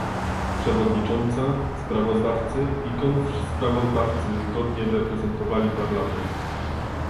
Przewodnicząca, sprawozdawcy i kontrsprawozdawcy godnie reprezentowali Parlament